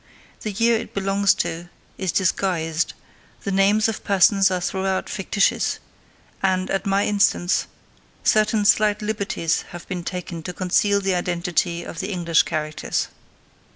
The year it belongs to is disguised; the names of persons are throughout fictitious; and, at my instance certain slight liberties have been taken to conceal the identity of the English characters.